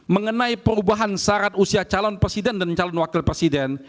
mengenai perubahan syarat usia calon presiden dan calon wakil presiden